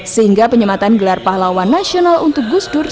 sehingga penyematan gelar pahlawan nasional untuk gusdur